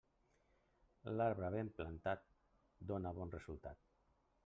L'arbre ben plantat, dóna bon resultat.